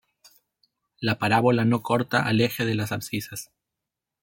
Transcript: La parábola no corta al eje de las abscisas.